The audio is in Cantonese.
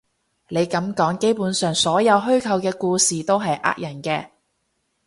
你噉講，基本上所有虛構嘅故事都係呃人嘅